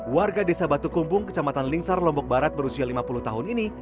warga desa batu kumpung kecamatan lingsar lombok barat berusia lima puluh tahun ini